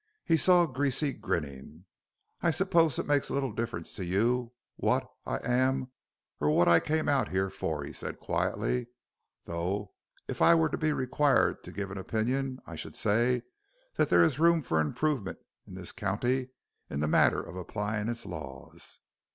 He saw Greasy grinning. "I suppose it makes little difference to you what I am or what I came out here for," he said quietly; "though, if I were to be required to give an opinion I should say that there is room for improvement in this county in the matter of applying its laws."